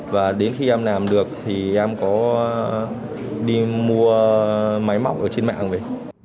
và đến khi em làm được thì em có đi mua máy móc ở trên mạng về